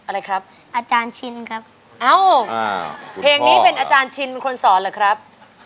อะไรครับอาจารย์ชินครับเอ้าเพลงนี้เป็นอาจารย์ชินเป็นคนสอนเหรอครับ